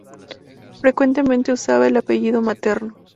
Frecuentemente usaba el apellido materno.